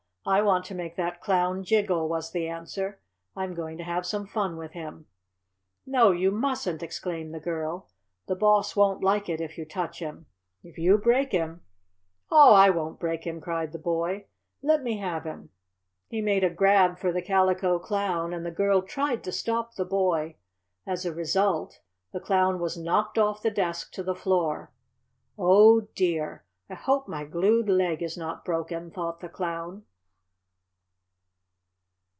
"I want to make that Clown jiggle," was the answer. "I'm going to have some fun with him." "No, you mustn't!" exclaimed the girl. "The Boss won't like it if you touch him. If you break him " "Aw, I won't break him!" cried the boy. "Let me have him!" He made a grab for the Calico Clown, and the girl tried to stop the boy. As a result the Clown was knocked off the desk to the floor. "Oh, dear! I hope my glued leg is not broken!" thought the Clown.